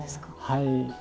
はい。